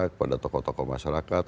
kepada tokoh tokoh masyarakat